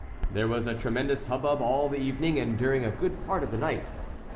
There was a tremendous hubbub all the evening and during a good part of the night.